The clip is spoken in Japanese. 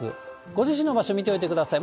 ご自身の場所、見ておいてください。